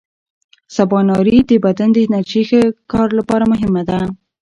سباناري د بدن د انرژۍ د ښه کار لپاره مهمه ده.